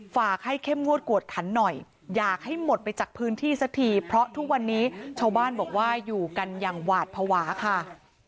ฝากให้เข้มงวดกวดขันหน่อยอยากให้หมดไปจากพื้นที่สักทีเพราะทุกวันนี้ชาวบ้านบอกว่าอยู่กันอย่างหวาดภาวะค่ะ